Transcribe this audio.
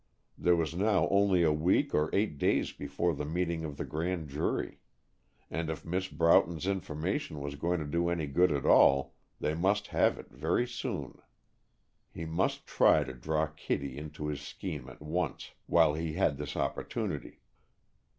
There was now only a week or eight days before the meeting of the Grand Jury, and if Mrs. Broughton's information was going to do any good at all, they must have it very soon. He must try to draw Kittie into his scheme at once, while he had this opportunity.